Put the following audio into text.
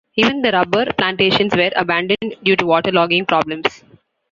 Even the rubber plantations were abandoned due to water logging problems.